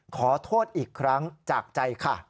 ขอโทษอีกครั้งจากใจค่ะ